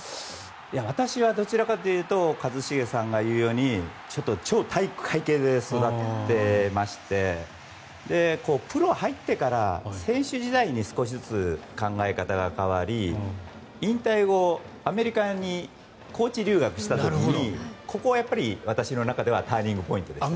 私はどちらかというと一茂さんが言うように超体育会系で育ってましてプロに入ってから選手時代に少しずつ考え方が変わり引退後アメリカにコーチ留学した時にここはやっぱり私の中ではターニングポイントでしたね。